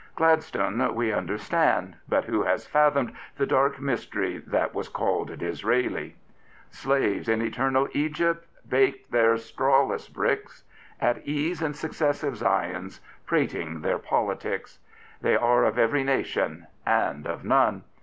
Glad stone we understand, but who has fathomed the dark mystery that was called Disraeli ? Slaves in eternal Egypts, baking their strawless bricks. At ease in successive Zions, prating their politics — they are of every nation and of none.